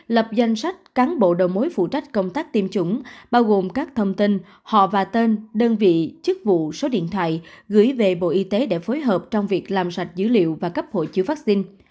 lập danh sách cán bộ đầu mối phụ trách công tác tiêm chủng bao gồm các thông tin họ và tên đơn vị chức vụ số điện thoại gửi về bộ y tế để phối hợp trong việc làm sạch dữ liệu và cấp hộ chiếu vaccine